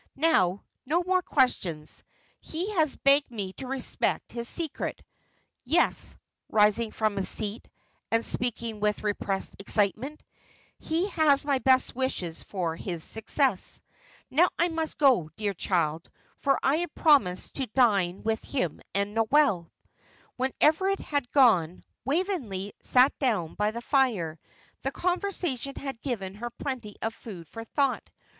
Now, no more questions; he has begged me to respect his secret. Yes" rising from his seat, and speaking with repressed excitement "he has my best wishes for his success. Now I must go, dear child, for I have promised to dine with him and Noel." When Everard had gone, Waveney sat down by the fire; the conversation had given her plenty of food for thought.